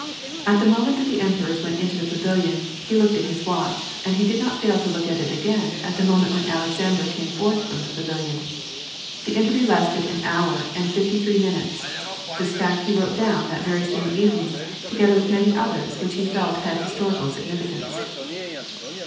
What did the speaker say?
At the moment that the emperors went into the pavilion, he looked at his watch, and he did not fail to look at it again at the moment when Alexander came forth from the pavilion. The interview lasted an hour and fifty three minutes ; this fact he wrote down that very same evening, together with many others which he felt had histori cal significance.